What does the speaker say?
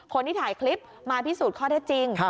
คนที่ถ่ายคลิปมาพิสูจน์ข้อเท็จจริง